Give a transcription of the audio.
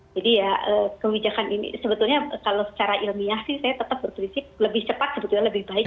jadi ya kebijakan ini sebetulnya kalau secara ilmiah sih saya tetap berpikir lebih cepat sebetulnya lebih baik